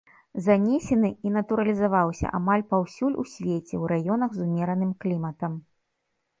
Занесены і натуралізаваўся амаль паўсюль у свеце ў раёнах з умераным кліматам.